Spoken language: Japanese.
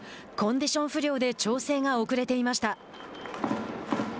コンディション不良で調整が遅れていました。